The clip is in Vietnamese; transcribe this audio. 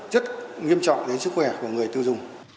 rất nghiêm trọng đến sức khỏe của người tiêu dùng